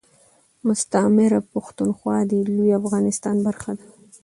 مستعمره پښتونخوا دي لوي افغانستان برخه ده